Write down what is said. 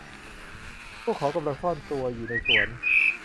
พวกเขากำลังซ่อนตัวอยู่ในสวน